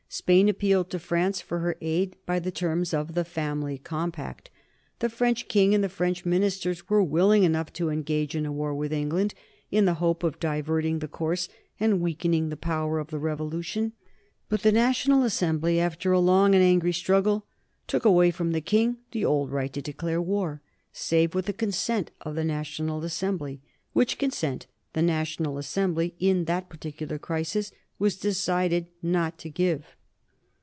Spain appealed to France for her aid by the terms of the Family Compact. The French King and the French Ministers were willing enough to engage in a war with England, in the hope of diverting the course and weakening the power of the Revolution. But the National Assembly, after a long and angry struggle, took away from the King the old right to declare war, save with the consent of the National Assembly, which consent the National Assembly, in that particular crisis, was decided not to give.